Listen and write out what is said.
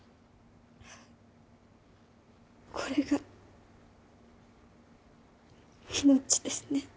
これが命ですね。